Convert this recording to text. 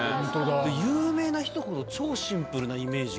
有名な人ほど超シンプルなイメージがある。